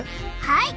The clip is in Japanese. はい。